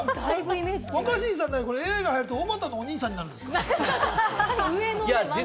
若新さんだけＡＩ入ると、おばたのお兄さんになるんですか？